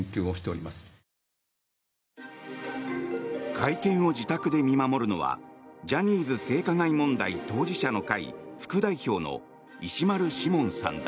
会見を自宅で見守るのはジャニーズ性加害問題当事者の会副代表の石丸志門さんだ。